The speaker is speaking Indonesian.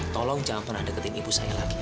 tolong jangan pernah deketin ibu saya lagi